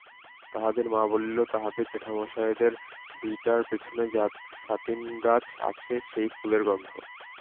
তাহাদের মা বলিল, তাহদের জেঠামশায়দের ভিটার পিছনে ছাতিমগাছ আছে, সেই ফুলের গন্ধ।